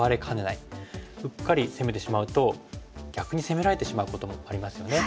うっかり攻めてしまうと逆に攻められてしまうこともありますよね。